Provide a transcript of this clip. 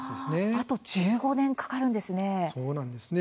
あと１５年かかるんですね。